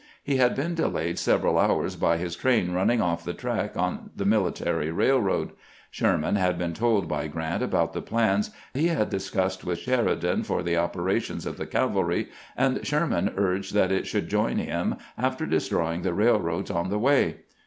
He had been delayed several hours by his train running oflE the track on the military railroad. Sherman had been told by Grant about the plans he had discussed with Sheri dan for the operations of the cavalry, and Sherman urged that it should join him after destroying the rail roads on the way.